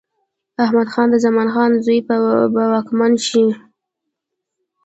احمد خان د زمان خان زوی به واکمن شي.